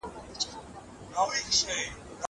پرسرباندي به راغللې شیدې چي ته راتلې